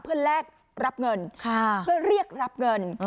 เพื่อแลกรับเงินเพื่อเรียกรับเงิน